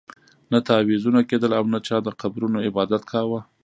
نه تعویذونه کېدل او نه چا د قبرونو عبادت کاوه.